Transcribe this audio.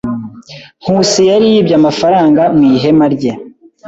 Nkusi yari yibye amafaranga mu ihema rye.